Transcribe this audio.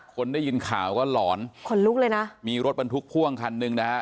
คนได้ยินข่าวก็หลอนขนลุกเลยนะมีรถบรรทุกพ่วงคันหนึ่งนะฮะ